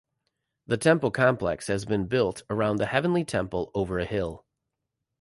The temple complex has been built around the heavenly temple over a hill.